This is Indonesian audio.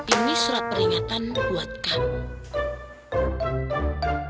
ini surat peringatan buat kami